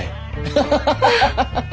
ハハハハハハッ！